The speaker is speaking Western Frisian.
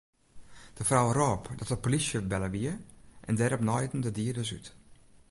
De frou rôp dat de polysje belle wie en dêrop naaiden de dieders út.